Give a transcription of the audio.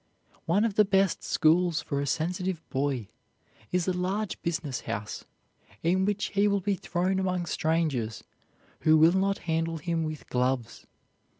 One of the best schools for a sensitive boy is a large business house in which he will be thrown among strangers who will not handle him with gloves.